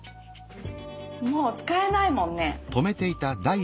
もう使えないもんねパスが。